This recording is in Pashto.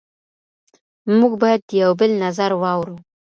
موږ باید د یو بل نظر واورو.